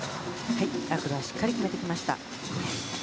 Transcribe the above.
アクロはしっかり決めてきました。